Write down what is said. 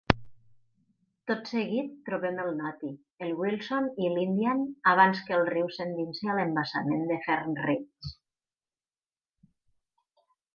Tot seguit, trobem el Noti, el Wilson i l'Indian abans que el riu s'endinsi a l'embassament de Fern Ridge.